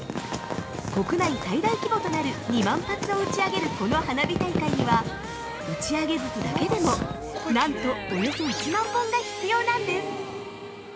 国内最大規模となる２万発を打ち上げる、この花火大会には打ち上げ筒だけでも、なんとおよそ１万本が必要なんです。